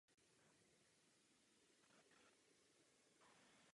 Poté byl přijat na Christ Church v Oxfordu.